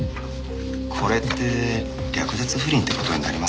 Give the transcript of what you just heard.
これって略奪不倫って事になりませんか？